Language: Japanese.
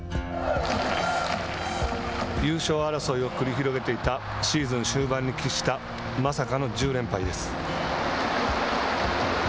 優勝争いを繰り広げていたシーズン終盤に喫したまさかの１０連敗です。